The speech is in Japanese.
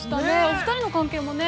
お二人の関係もね